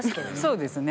そうですね。